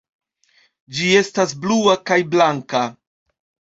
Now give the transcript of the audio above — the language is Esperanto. Ĝi estas blua kaj blanka.